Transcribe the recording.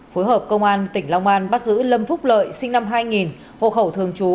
phối hợp công an tỉnh long an bắt giữ lâm phúc lợi sinh năm hai nghìn hộ khẩu thường trú